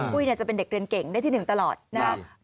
กุ้ยเนี่ยจะเป็นเด็กเรียนเก่งได้ที่หนึ่งตลอดนะครับ